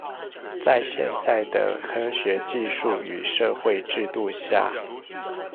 在現在的科學技術與社會制度下